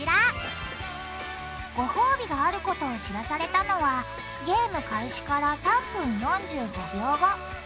ごほうびがあることを知らされたのはゲーム開始から３分４５秒後。